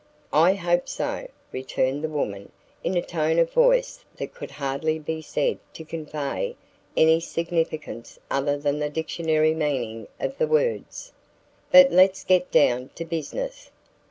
"I hope so," returned the woman in a tone of voice that could hardly be said to convey any significance other than the dictionary meaning of the words. "But let's get down to business.